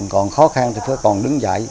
còn khó khăn thì phải còn đứng dậy